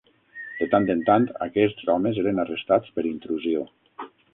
De tant en tant, aquests homes eren arrestats per intrusió.